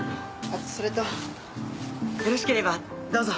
それとよろしければどうぞ。